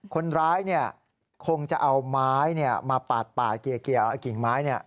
คนร้ายคงจะเอาไม้มาปาดเกี่ยวกิ่งไม้